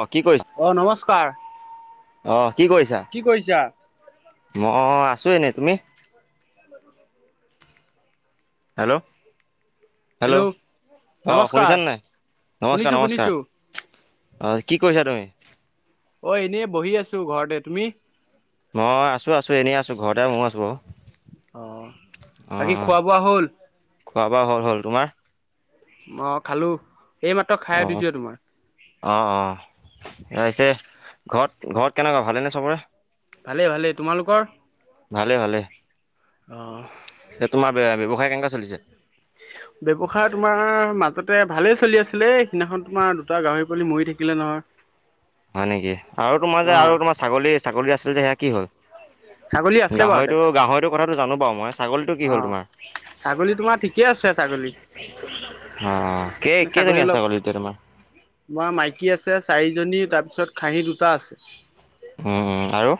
অ', কি কৰিছ, অ নমস্কাৰ। অ', কি কৰিছা? মই আছোঁ এনেই, তুমি? [unintelligible] হেল্ল'! হেল্ল'! অ', নমস্কাৰ শুনিছানে নাই? শুনিছো নমস্কাৰ নমস্কাৰ। শুনিছো অ', কি কৰিছা তুমি? অ', এনেই বহি আছোঁ ঘৰতে, তুমি? মই আছোঁ, আছোঁ এনেই আছোঁ ঘৰতে ময়ো আছোঁ বাৰু। অ', অ বাকী অ খোৱা বোৱা হ'ল? খোৱা বোৱা হ'ল হ'ল তোমাৰ? মই খালোঁ, এইমাত্ৰ খাই অ উঠিছোহে তোমাৰ। অ', অ', [unintelligible] ঘৰত ঘৰত কেনেকুৱা ভালেনে চবৰে? ভালে, ভালে তোমালোকৰ? ভালে, ভালে। অ' তোমাৰ বে-ব্যৱসায় কেনেকা চলিছে? এই [unintelligible] ব্যৱসায় তোমাৰ মাজতে ভালেই চলি আছিলে, এই সিদিনাখন তোমাৰ দুটা গাহৰি পোৱালি মৰি থাকিলে নহয়। [unintelligible] হয়, নেকি? আৰু তোমাৰ যে, অ আৰু তোমাৰ ছাগলী ছাগলী আছিল যে, সেয়া কি হ'ল? ছাগলী আছে বাৰুতে গাহৰিটো, গাহৰিটোৰ কথাটো জানোঁ বাৰু মই। ছাগলীটো কি হ'ল তোমাৰ? অ', ছাগলী তোমাৰ ঠিকে আছে ছাগলী। অহ, কেই-কেইজনী আছে ছাগলী এতিয়া তোমাৰ? তোমাৰ মাইকী আছে চাৰিজনী তাৰপিছত খাঁহী দুটা আছে। উম, উম, আৰু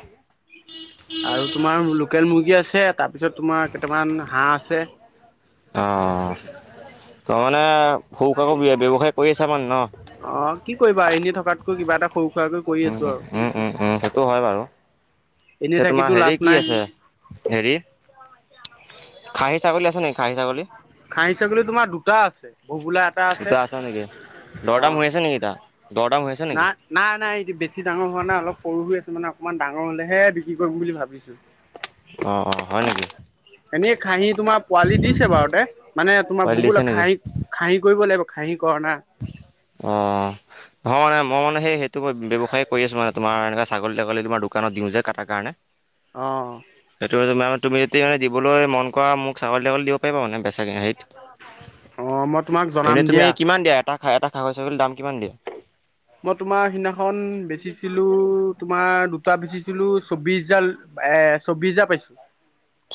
আৰু তোমাৰ লোকেল মুৰ্গী আছে, তাৰপিছত তোমাৰ কেটামান হাঁহ আছে। অ', অ', তাৰমানে সৰু সুৰাকৈ ব্যৱসায় কৰি আছা মানে ন? অ', কি কৰিবা আৰ এনে থকাতকৈ কিবা এটা সৰু সুৰাকৈ কৰি উম, আছো আৰু উম, উম, উম, সেইটো হয়, বাৰু এনেই পিছে তোমাৰ থাকিতো হেৰি লাভ কি নাই। আছে? হেৰি খাহী ছাগলী আছে নেকি? খাহী ছাগলী? খাহি ছাগলী তোমাৰ দুটা আছে ভোবোলা দুটা আছে নেকি দৰদাম হৈ আছে নেকি? এইকিটা দৰদাম হৈ আছে নেকি? নাই নাই, নাই এইটো বেছি ডাঙৰ হোৱা নাই অলপ সৰু হৈ আছে মানে অকণমান ডাঙৰ হ'লেহে বিক্ৰী কৰিম বুলি ভাবিছোঁ। অ' অ' হয় নেকি? এনেই খাহি তোমাৰ পোৱালি দিছে এবাৰতে। মানে তোমাৰ পোৱালি দিছে ভোবোলা নেকি? খাহি খাহি কৰিব লাগিব খাহি কৰা নাই। অ', নহয় মানে মই মানে সেই সেইটো ব্যৱসায় কৰি আছোঁ মানে তোমাৰ এনে ছাগলী তাগলী তোমাৰ দোকানত দিওঁ যে, কাটাৰ কাৰণে। অ'। সেইটো তোমাৰ তুমি যদি মানে দিবলৈ মন কৰা মোক ছাগলী তাগলি দিব পাৰিবা মানে বেচ হেত অ মই তোমাক জনাম এনে দিয়া। তুমি কিমান দিয়া এটা খাহি এটা খা ছাগলীৰ দাম কিমান দিয়া? মই তোমাৰ সিদিনাখন বেচিছিলোঁ তোমাৰ দুটা বেচিছিলোঁ চৌব্বিচজাৰ এ চৌবিশ হাজাৰ পাইছোঁ।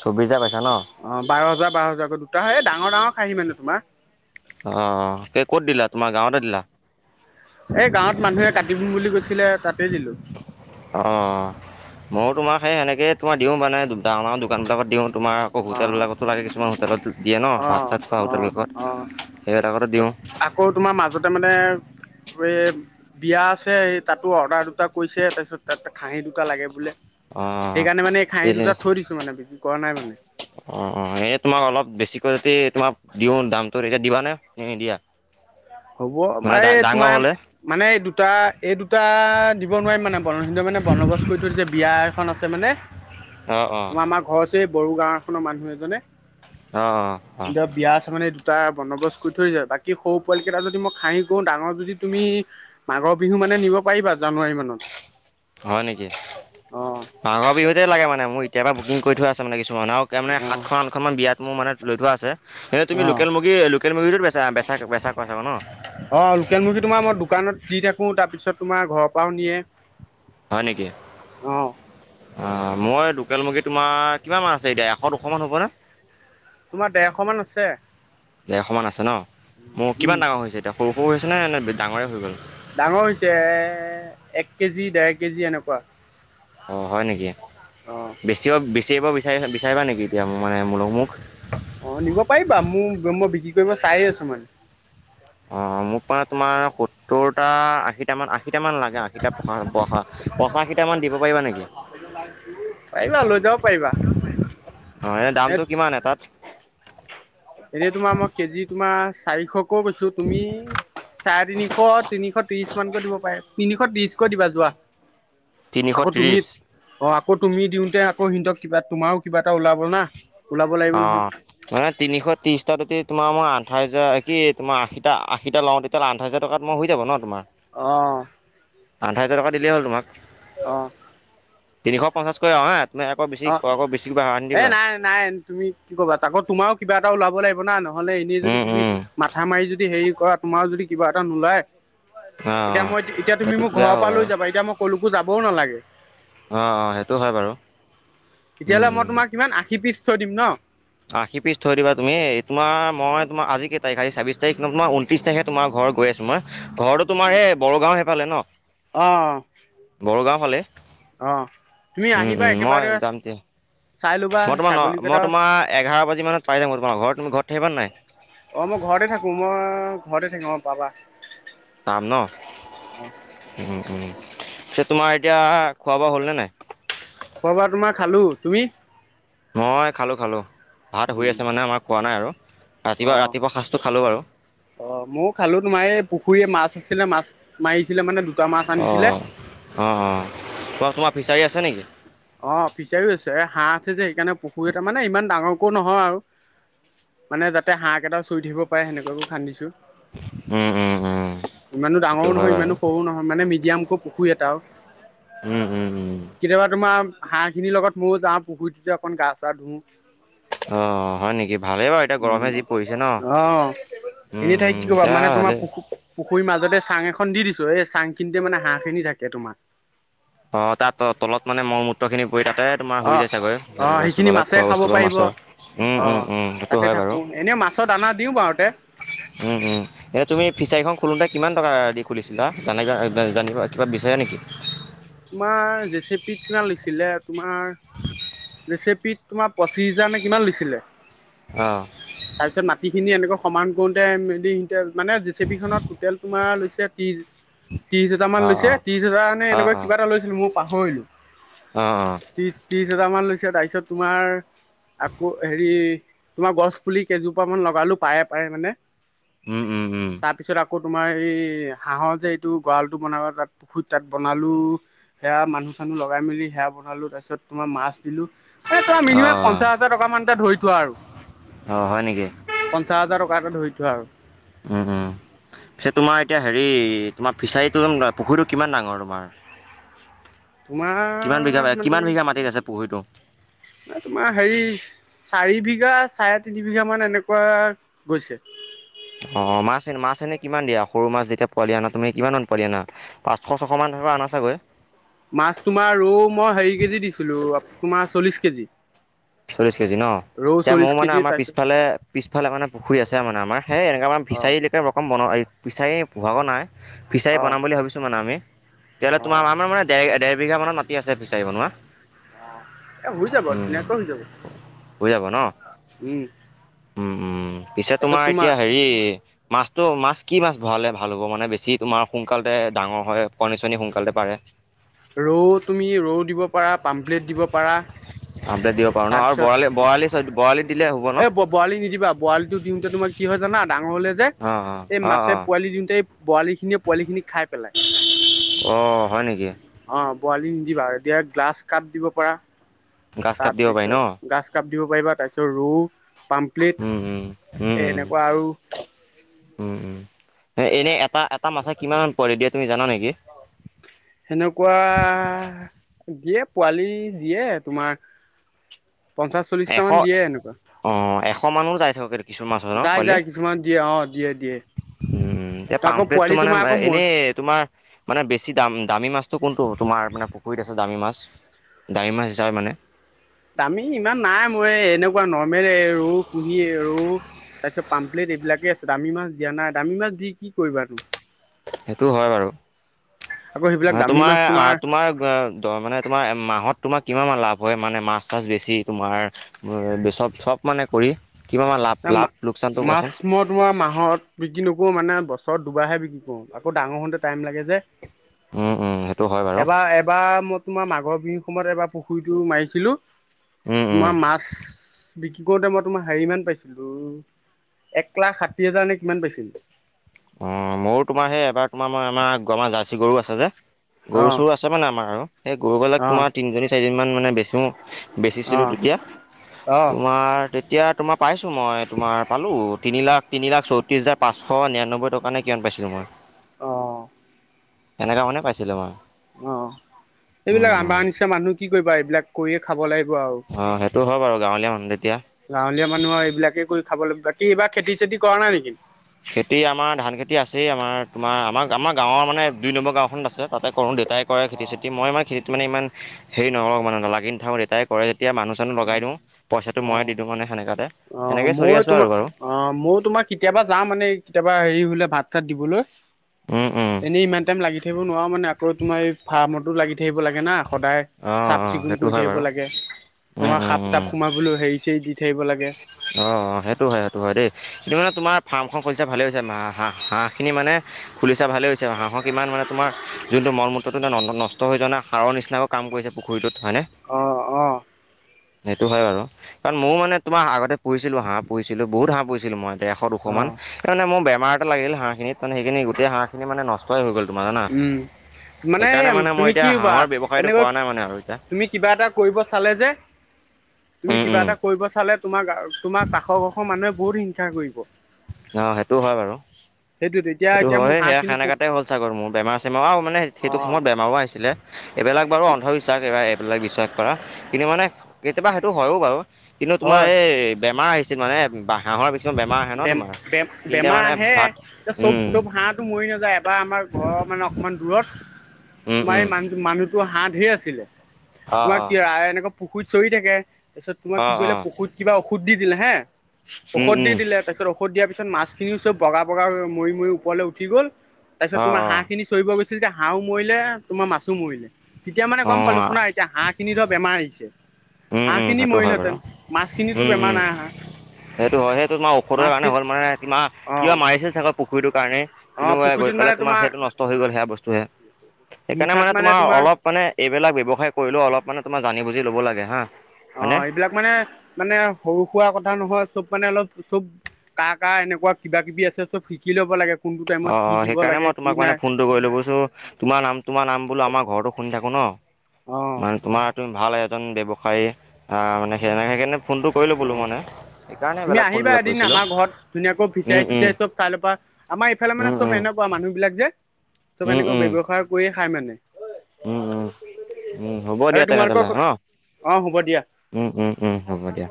চৌবিছ হাজাৰ কৈছা ন? বাৰ হাজাৰ, বাৰ হাজাৰকৈ দুটা হে ডাঙৰ ডাঙৰ খাহি মানে তোমাৰ অ', কেই ক'ত দিলা তোমাৰ গাঁৱতে দিলা? এই গাঁৱত মানুহে কাটিম বুলি কৈছিলে তাতে দিলোঁ। অ' ময়ো তোমাৰ সেই সেনেকে তোমাৰ দিওঁ মানে ডাঙৰ, ডাঙৰ দোকান বিলাকত দিওঁ তোমাৰ অ' হোটেলবিলাকতো লাগে কিছুমান হোটেলত দিয়ে ন অ ভাত চাত খোৱা অ অ হোটেলবিলাকত, সেইবিলাকতো দিওঁ। আকৌ তোমাৰ মাজতে মানে এই বিয়া আছে তাতো অৰ্ডাৰ দুটা কৰিছে তাৰপিছত তাত খাহি দুটা লাগে বোলে। অ'। সেইকাৰণে মানে এই খাহি তেনে দুটা থৈ দিছো মানে বিক্ৰী কৰা নাই মানে। অ', অ' এই তোমাক অলপ বেছিকৈ যদি তোমাক দিওঁ দামটো তেতিয়া দিবানে নিদিয়া? হ'ব মানে ডা [unintelligible] ডাঙৰ তোমাৰ হ'লে মানে এই দুটা, এই দুটা দিব নোৱাৰিম মানে। [unintelligible] মানে বন্দবচ কৰি থৈছে বিয়া এখন আছে মানে। অ', অ', তোমাৰ আমাৰ ঘৰ আছে এই বড়ো গাঁও এখনৰ মানুহ এজনে অ', অ', অ', এতিয়া বিয়া আছে মানে দুটা বন্দবস্ত কৰি থৈ দিছে বাকী সৰু পোৱালিকেইটা যদি মই খাহি কৰো, ডাঙৰ যদি তুমি মাঘৰ বিহু মানে নিব পাৰিবা জানুৱাৰী মানত। হয় নেকি অ', মাঘৰ বিহুতে লাগে মানে মোৰ এতিয়াৰ পৰা বুকিং কৰি থোৱা আছে মানে কিছুমানক মানে অ', সাতখন আঠখনমান বিয়াত মোৰ মানে লৈ থোৱা আছে। এনে তুমি অ', লোকেল মুৰ্গী, লোকেল মুৰ্গীটো বেচা বেচা বেচা [unintelligible] অ' লোকেল মুৰ্গী তোমাৰ মই দোকানত দি থাকো, তাৰপিছত তোমাৰ ঘৰৰ পৰাও নিয়ে। হয় নেকি? অ', অ' মই লোকেল মুৰ্গী তোমাৰ কিমান মান আছে এতিয়া এশ দুশ মান হ'ব নে? তোমাৰ ডেৰশ মান আছে। ডেৰশ মান আছে ন' মোৰ উম, কিমান ডাঙৰ হৈছে এতিয়া সৰু সৰু হৈছেনে নে ডাঙৰেই হৈ গ'ল? ডাঙৰ হৈছে। এক কেজি, ডেৰ কেজি এনেকুৱা। অ' হয় নেকি? অ'। বেছি বেচিব বিচাৰি, বিচাৰিবা নেকি এতিয়া মানে [unintelligible] অ' নিব পাৰিবা, মোৰ মই বিক্ৰী কৰিব চায়ে আছো মানে। অ' মোক মানে তোমাৰ সত্তৰটা আশীটা মান আশীটা মান লাগে। আশীটা, পঁচাশীটা মান দিব পাৰিবা নেকি? পাৰিবা লৈ যাব পাৰিবা অ' এনে দামটো কিমান এটাত? এতিয়া তোমাৰ মই কেজি তোমাৰ চাৰিশকেও বেচো তুমি চাৰে তিনিশ, তিনিশ ত্ৰিশ মানকৈ দিব পাৰে, তিনিশ ত্ৰিশকৈ দিবা যোৱা। তিনিশ আকৌ তুমি। ত্ৰিছ অ' আকৌ তুমি দিওঁতে আকৌ সিহঁতক কিবা তোমাৰো কিবা এটা ওলাব না। ওলাব লাগিব অ নহয়। মানে তিনিশ ত্ৰিশটাতে তোমাৰ মই আঠাইশ হাজাৰ কি তোমাৰ আশী, আশীটা লওঁ তেতিয়াহ'লে আঠাইশ হাজাৰ টকাত মোৰ হৈ যাব ন তোমাৰ। অ'। আঠাইশ হাজাৰ টকা দিলেই হ'ল তোমাক অ' তিনিশ পঞ্চাছ কৰি [unintelligible] অ' আকৌ বেছি বঢ়াই এ নিদিবা। নাই নাই তুমি কি কবা আকৌ তোমাৰ কিবা এটা ওলাব লাগিব না নহ'লে এনেই যদি উম তুমি উম মাথা মাৰি যদি হেৰি কৰা তোমাৰ যদি কিবা এটা নোলায় অ অ এতিয়া মই এতিয়া তুমি সেইটো মোক দিয়া ঘৰৰ হ'ব পৰা লৈ বাৰু যাবা এতিয়া মই কোলৈকো যাবও নালাগে অ', অ' সেইটো হয় বাৰু। উম তেতিয়াহ'লে মই উম তোমাৰ কিমান আশী পিচ থৈ দিম ন? আশী পিচ থৈ দিবা তুমি, তোমাৰ মই তোমাৰ আজি কেই তাৰিখ ছাবিশ তাৰিখ তোমাৰ ত্ৰিশ তাৰিখে তোমাৰ ঘৰ গৈ আছো মই ঘৰতো তোমাৰ এই বড়োগাঁও সেইফালে ন? অ'। বড়োগাঁও ফালে। তুমি উম, আহিবা উম মই একেবাৰে যাম দিয়া। চাই ল'বা মই তোমাৰ ন, ছাগলীকেইটা মই তোমাৰ এঘাৰ বাজি মানত পাই যামগৈ তোমাৰ ঘৰ, তুমি ঘৰত থাকিবা নাই? অ', মই ঘৰতে থাকোঁ মই ঘৰতে থাকোঁ অ' পাবা নাম ন অঁ উ উ তোমাৰ এতিয়া খোৱা বোৱা হ'লনে নাই। খোৱা বোৱা তোমাৰ খালোঁ তুমি? মই খালোঁ, খালোঁ ভাত শুই আছে মানে আমাৰ খোৱা নাই আৰু ৰাতিপুৱা, ৰাতিপুৱা সাঁজটো খালোঁ বাৰু। অ', ময়ো খালো তোমাৰ এই পুখুৰীয়ে মাছ আছিলে মাছ মাৰিছিলে মানে মাছ আনিছিলে অ', অ', অ', ক তোমাৰ ফিচাৰী আছে নেকি? অ', ফিচাৰিও আছে হাঁহ আছে যে সেইকাৰণে পুখুৰী তাৰ মানে ইমান ডাঙৰকো নহয় আৰু। মানে যাতে হাক কেইটা চুই থাকিব পাৰে সেনেকুৱাকো খান্দিছো। উম উম উম ইমানো সেইটো ডাঙৰ হয় নহয় বাৰু ইমানো সৰুও নহয় মানে মিডিয়ামকো পুখুৰী এটা আৰু। উম উম উম কেতিয়াবা তোমাৰ হাঁহ খিনিৰ লগত ময়ো যাওঁ পুখুৰীতে অকণ গা চা ধুওঁ। অ', হয় নেকি ভালেই বাৰ অ', উম এনে ঠাই উম কি কবা এতিয়া মানে তোমাৰ ভালেই পত পুখুৰীৰ মাজতে চাং এখন দি দিছোঁ এই চাংখিনিতে মানে হাঁহ খিনি থাকে তোমাৰ। অ', তাত তলত মানে মল মূত্ৰ খিনি পৰি তাতে তোমাৰ হৈ অ' যায় চাগৈ অ' সেইখিনি বস্তুবালপ মাছে খোৱা খাব বস্তুবাল পাৰিব মাছৰ। সেইটো হয় বাৰু। এনেই মাছত অনা দিও বাৰুতে। উম, উম। এতিয়া তুমি ফিচাৰীখন খোলোতে কিমান টকা দি খুলিছিলা জানিবা, জানিবা কিবা বিচাৰো নেকি। তোমাৰ জেচেপিত কিমান লৈছিলে তোমাৰ জেচেপিত তোমাৰ পঁচিছ হাজাৰ নে কিমান লৈছিলে। অহ। তাৰ পিছত মাটি খিনি এনেকৈ সমান কৰোতে মানে জেচিপি খনত টোতেল তোমাৰ লৈছে ত্ৰিছ ত্ৰিশ হাজাৰ মান অঁ অঁ লৈছে ত্ৰিশ হাজাৰ মানে অ', অ', এনেকুৱা কিবা এটা লৈছিলো মই পাহৰিলোঁ। অ', অ'। ত্ৰিশ, ত্ৰিশ হাজাৰ মান লৈছে তাৰপিছত তোমাৰ আকৌ হেৰি তোমাৰ গছ পুলি কেইজোপা মান লগালো পাৰে, পাৰে মানে উম, উম। উম, তাৰপিছত আকৌ তোমাৰ এই হাঁহৰ যে এইটো গঁৰা়লটো বনাবা তাত পুখুৰীত তাক বনালোঁ সেয়া মানুহ চানুহ লগাই মেলি সেয়া বনালো তাৰ পিছত তোমাৰ মাছ দিলো মানে তোমাৰ অ', মিনিমাম অ', পঞ্চাশ হ টকা মান ধৰি থোৱা আৰু অ', হয় নেকি। পঞ্চাশ হাজাৰ টকা এটা ধৰি থোৱা আৰু। পিছে তোমাৰ এতিয়া হেৰি তোমাৰ ফিছাৰীটো পুখুৰীটো কিমান ডাঙৰ তোমাৰ? কিমান বিঘা তোমাৰ মানে কিমান বিঘা মাটিত আছে পুখুৰীটো? তোমাৰ হেৰি চাৰি বিঘা চাৰে তিনি বিঘা মান এনেকুৱা গৈছে। অ', মাছ, মাছ এনে কিমান দিয়া সৰু মাছ যেতিয়া পোৱালি আনা তুমি কিমান মান পোৱালি আনা। পাঁচশ ছশ মান ধৰা আনা আছেগৈ। মাছ তোমাৰ ৰৌ মই হেৰি কেজি দিছিলোঁ তোমাৰ চল্লিশ কেজি। চল্লিছ কেজি ন। ৰৌ এতিয়া মোৰ চল্লিশ মানে কেজি আমাৰ তাৰপিছত পিছফালে পিছফালে পুখুৰী আছে, আমাৰ সেই এনেকুৱা মান অ' ফিচাৰিলকে ৰকম [unintelligible] ফিছাৰী নাই ফিচাৰী অ' বনাম বুলি ভাবিছোঁ মানে আমি, তেতিয়াহলে অ' আমাৰ মানে ডেৰ বিঘা মানত মাটি আছে ফিচাৰি বনোৱা। অ', এ হৈ যাব উম। ধুনীয়াকে হৈ যাব। হৈ যাব ন। উম। উম, উম, পিছে তোমাৰ এতিয়া হেৰি মাছটো মাছ কি মাছ ভৰালে ভাল হ'ব মানে বেছি তোমাৰ সোনকালতে ডাঙৰ হয় কণী চনি সোনকালতে পাৰে। ৰৌ তুমি ৰৌ দিব পাৰা পামপ্লেট দিব পাৰা। অ', ন আৰু তাৰপিছত বৰালি বৰালি ছ বৰালি দিলে হ'ব এই ন? বৰালি নিদিবা বৰালিটো দিওঁতে তোমাৰ কি হয় জানা ডাঙৰ হ'লে যে অঁ অঁ এই অঁ মাছে অঁ পোৱালি দিওঁতে বৰালিখিনিয়ে পোৱালিখিনিক খাই পেলাই। অ', হয় নেকি? অ', বৰালি নি দিবা এতিয়া গ্লাছ কাপ দিব পাৰা। গাছ কাপ দিব পাৰি ন তাৰপিছত গাছ কাপ দিব পাৰিবা তাৰপিছত ৰৌ পাম উম, উম, উম, উম, উম, উম। এনেই এটা এটা মাছে কিমানমান পোৱালি দিয়ে তুমি জানা নেকি? সেনেকুৱা দিয়ে পোৱালি দিয়ে তোমাৰ পঞ্চাশ চল্লিশটা মান দিয়ে এনেকুৱা। অ', এশ মানুহ যায় থ যায় যায় কিছুমান দিয়ে অ' দিয়ে দিয়ে। উম, এতিয়া আকৌ পামপ্লেটটো পোৱালি মানে তোমাৰ আকৌ মোৰ এনেই তোমাৰ মানে বেছি দাম দামী মাছটো কোনটো তোমাৰ মানে পুখুৰীত আছে দামী মাছ? দামী মাছ হিচাপে মানে। দামী ইমান নাই মই এনেকুৱা নৰ্মেলে ৰৌ কুহি এ ৰৌ। তাৰপিছত পাম্পলেট এইবিলাকে আছে দামী মাছ দিয়া নাই দামী মাছ দি কি কৰিবা তুমি। সেইটো হয় বাৰু আকৌ সেইবিলাক মানে দামী তোমাৰ মাছ আহ তোমাৰ মানে তোমাৰ মাহত তোমাৰ কিমান লাভ হয় মানে মাছ চাছ বেছি তোমাৰ চব চব মানে কৰি কিমান লাভ লাভ লোকচানটো মাছ কোৱাচোন। মই তোমাৰ মাহত বিক্ৰী নকৰোঁ মানে বছৰত দুবাৰহে বিক্ৰী কৰোঁ। আকৌ ডাৰ হওঁতে টাইম লাগে যে। [inaudible] উম, উম, সেইটো হয় বাৰু। এবাৰ এবাৰ মই তোমাৰ মাঘৰ বিহুৰ সময়ত এবাৰ পুখুৰীটো মাৰিছিলোঁ। উম, উম। তোমাৰ মাছ বিক্ৰী কৰোতে মই তোমাৰ হেৰি মান পাইছোঁ। এক লাখ ষাঠি হাজাৰ নে কিমান পাইছিলোঁ। অ', মোৰো তোমাৰ সেই এবাৰ তোমাৰ মই আমাৰ গমা জাৰ্চি গৰু আছে যে। অ গৰু চৰু আছে মানে আমাৰ আৰু সেই গৰুবিলাক অ তোমাৰ তিনিজনী চাৰিজনী মান মানে বেছো। অ বেছিচিলো তেতিয়া অ তোমাৰ তেতিয়া তোমাৰ পাইছোঁ মই তোমাৰ পালোঁ তিনি লাখ তিনি লাখ চৌত্ৰিছ হাজাৰ পাঁচশ নিৰানব্বৈ টকা নে কিমান পাইছিলোঁ মই। অ'। এনেকুৱা মানে পাইছিলোঁ মই। অ', এইবিলাক আমাৰ নিচিনা মানুহ কি কৰিবা এইবিলাক কৰিয়ে খাব লাগিব আৰু। অ', সেইটো হয় বাৰু গাঁৱলীয়া মানুহ যেতিয়া। গাঁৱলীয়া মানুহৰ এইবিলাকে কৰি খাব লাগিব বাকী এইবাৰ খেতি চেতি কৰা নাই নেকি? খেতি আমাৰ ধান খেতি আছেই, আমাৰ তোমাৰ আমাৰ আমাৰ গাঁৱৰ মানে দুই নম্বৰ গাঁওখনত আছে তাতে কৰোঁ দেউতাই কৰে অ খেতি চেতি মই ইমান খেতিত মানে ইমান হেৰি নকৰোঁ মানে লাগি নাথাকে দেউতাই কৰে যেতিয়া মানুহ উম, লগাই দিওঁ। পইচাটো অ ময়ে দিওঁ মানে সনেকাতে অ সেনেকৈ চলি ময়ো আছোঁ তোমাৰ আৰু বাৰু। অ', ময়ো তোমাৰ কেতিয়াবা যাওঁ মানে কেতিয়াবা হেৰি হ'লে ভাত চাত দিবলৈ। এনেই ইমান টাইম লাগি থাকিব নোৱাৰো মানে, আকৌ তোমাৰ এই ফাৰ্মতো লাগি থাকিব লাগে না। সদায় অঁ চাফ অঁ চিকুণ সেইটো কৰি হয় থাকিব বাৰু লাগে। উম তোমাৰ উম সাপ চাপ সোমাবলৈও হেৰি চাৰি দি থাকিব লাগে। অঁ অঁ' সেইটো হয় সেইটো হয় দেই, তুমি মানে তোমাৰ ফাৰ্মখন খুলিছা ভালে হৈছে, মা হাঁ, হাঁহ খিনি মানে- খুলিছা ভালে হৈছে, আঁ- ময় কিমান মানে তোমাৰ যোনটো মল মূত্ৰটো ন নষ্ট হৈ যোৱা নাই সাৰৰ নিচিনাকৈ কাম কৰিছে পুখুৰীটোত হয়নে। অঁ অঁ' সেইটো হয় বাৰু, কাৰণ মও মানে তোমাৰ আগতে- পুহিছিলোঁ হাঁহ, পূহিছিলো বহুত হাঁহ পূহিচিলো ময় দেৰখ, দুশমান। অ'। তাল মানে মোৰ বেমাৰ এটা লাগিল হাঁহখিনিত মানে সেইখিনি গোটেই হাঁহখিনি মানে নষ্টই হৈ গ'ল তোমাৰ জানা। উম, মানে সেইকাৰণে মই তুমি এতিয়া কি হবা, হাঁহৰ ব্যৱসায়টো এনেকৈ কৰা নাই মানে আৰু এতিয়া তুমি কিবা এটা কৰিব চালে যে- তুমি উম কিবা উম এটা কৰিব চালে তোমাৰ তোমাৰ কাষৰ কষৰ মানুহে বহুত হিংসা কৰিব। অঁ, সেইটো হয় বাৰু, তেতিয়া সেইটো এতিয়া মোৰ হয় হাঁহ সেয়া খিনি পু সেনেকাতে হল। বেমাৰ চেমাও আও মানে সেইটো অ', সময়ত বেমাৰও আহিছিলে এইবিলাক বাৰু অন্ধবিশ্বাস- এইবিলাক বিশ্বাস কৰা, কিন্তু মানে কেতিয়াবা সেইটো হয়ও বাৰু কিন্তু তোমাৰ হয় এই- বেমাৰ আহিছিল মানে বা হাঁহৰ কিছুমান বেমাৰ আহে ন তোমাৰ। তিনিটা বেমাৰ মানে আহে এ, ভাত চব উম চব- হাঁহটো মৰি নাযায়, বা আমাৰ ঘৰৰ মানে অকমান দূৰত উম তোমাৰ উম এই মা- মানুহটো হাঁহ ধেৰ আছিলে, অ তোমাৰ অ কি এনেকুৱা পুখুৰীত চৰি থাকে- তাৰপিছত তোমাক অ কি অ কৰিলে পুখুৰীত কিবা ঔষধ দি দিলে হেঁ, উম ঔষধ দি উম দিলে- তাৰ পিছত ঔষধ দিয়া পিছত মাছ খিনিও চব বগা বগা হৈ মৰি মৰি ওপৰলে উঠি গ'ল, তাৰ পিছত অ তোমা অ হাঁহ খিনি- চৰিব গৈছিল যে হাঁহও মৰিলে তোমাৰ মাছো মৰিলে, তেতিয়া মানে গম পালো অ শুনা- এতিয়া হাঁহখিনি ধৰ বেমাৰ আহিছে উম উম হাঁহখিনি সেইটো হয় বাৰু মৰিলহেঁতেন, মাছখিনিতো উম বেমাৰ উম নাই আহা। সেইটো হয়, সেইটো তোমাৰ ঔষধৰ কাৰণে মাছখিনি হ'ল মানে তোমাৰ অ কিবা মাৰিছিল চাগে পুখুৰীটোৰ কাৰণে। কিন্তু মানে গৈ পেলাই তোমাৰ সেইটো নষ্ট হৈ গ'ল সেয়া বস্তুহে, সেইকাৰণে মানে তোমাৰ অলপ- মানে এইবিলাক ব্যৱসায় কৰিলেও অলপ মানে তোমাৰ জানি বুজি ল'ব লাগে হাঁ'। অঁ, এইবিলাক মানে, মানে সৰু সুৰা কথা নহয় চব মানে অলপ চব- কাৰ কাৰ এনেকুৱা কিবা কিবি আছে চব শিকি ল'ব লাগে কোনটো টাইমত কি দিব লাগে কি নাই। ছো তোমাৰ নাম তোমাৰ নাম বোলো আমাৰ ঘৰৰতো শুনি থাকো ন, অ মানে তোমাৰ- তুমি ভাল এজন ব্যৱসায় আহ মানে, সেনেক সেইকাৰণে- ফোনটো কৰিলোঁ অ বোলো মানে, সেইকাৰণে তুমি এইবিলাক আহিবা ফোনবিলাক এদিন কৰিছিলোঁ, উম, উম'। কাইলৰ পৰা আমাৰ এইফালে মানে উম চব এনেকুৱা মানুহ বিলাক যে চব উম উম এনেকৈ উম ব্যৱসায় কৰিয়ে খাই মানে। উম, উম, উম, হ'ব আৰু দিয়া তোমালোকৰ তেনেহলে ন'। অ হ'ব দিয়া উম, উম, উম, হ'ব দিয়া।